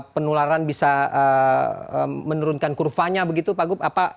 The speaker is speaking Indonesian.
apakah penularan bisa menurunkan kurvanya begitu pak gub